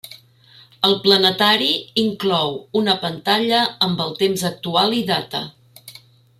El planetari inclou una pantalla amb el temps actual i data.